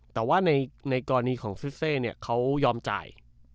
แต่ว่าในกรณีของฟิสเซเขายอมจ่าย